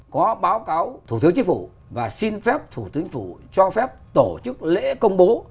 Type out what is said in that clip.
có báo cáo thủ tướng chính phủ và xin phép thủ tướng cho phép tổ chức lễ công bố